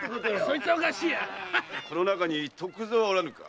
この中に徳蔵はおらぬか？